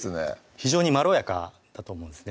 非常にまろやかだと思うんですね